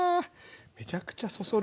めちゃくちゃそそる。